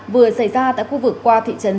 vừa xảy ra tại khu vực qua thị trấn diễn vương